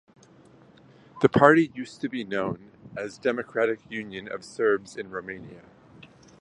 The party used to be known as Democratic Union of Serbs in Romania.